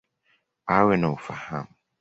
Awe na ufahamu.